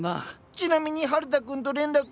ちなみに春太くんと連絡は？